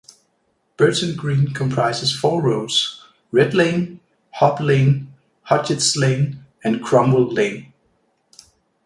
Burton Green comprises four roads: Red Lane, Hob Lane, Hodgetts Lane and Cromwell Lane.